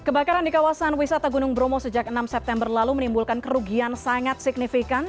kebakaran di kawasan wisata gunung bromo sejak enam september lalu menimbulkan kerugian sangat signifikan